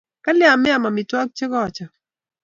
Kalya mean amitwogik che kachop?